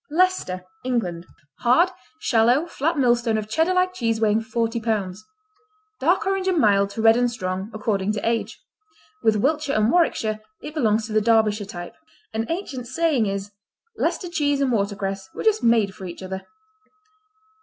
Leicester England Hard; shallow; flat millstone of Cheddar like cheese weighing forty pounds. Dark orange and mild to red and strong, according to age. With Wiltshire and Warwickshire it belongs to the Derbyshire type. An ancient saying is: "Leicester cheese and water cress were just made for each other."